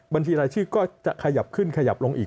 บัญชีรายชื่อก็จะขยับขึ้นขยับลงอีก